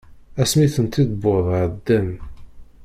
Ass mi ten-id-wweḍ ɛeddan.